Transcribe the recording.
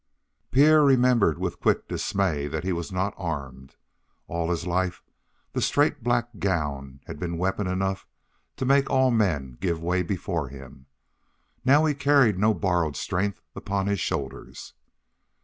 Pierre remembered with quick dismay that he was not armed. All his life the straight black gown had been weapon enough to make all men give way before him. Now he carried no borrowed strength upon his shoulders.